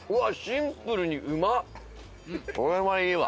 これはいいわ。